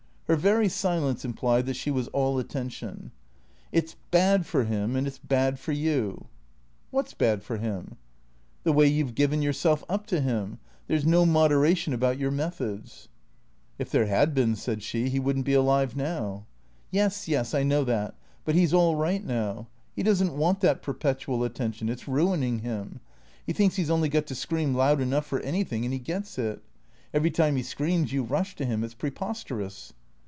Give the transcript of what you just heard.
Her very silence implied that she was all attention. " It 's bad for him and it 's bad for you." « What 's bad for him ?"" The way you 've given yourself up to him. There 's no moderation about your methods." " If there had been," said she, " he would n't be alive now." " Yes, yes, I know that. But he 's all right now. He does n't want that perpetual attention. It's ruining him. He thinks he 's only got to scream loud enough for anything and he gets it. T H E C R E A T 0 E S 415 Every time he screams you rush to him. It 's preposterous."